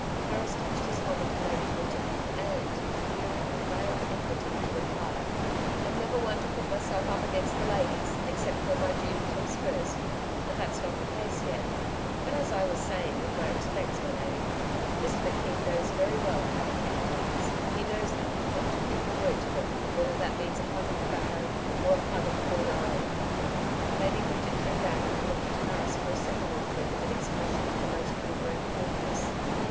Harris touched his helmet to Lady Bridget and, leering with veiled enmity, replied: 'I'm never one to put myself up against the ladies, except where my duty comes first and that's not the case yet. But as I was saying, with my respects, my lady, Mr McKeith knows very well how to treat the blacks. He knows that you've got to keep your word to them, whether that means a plug of tobacco or a plug of cold iron.' Lady Bridget drew back and looked at Harris for a second or two with an expression of the most withering haughtiness.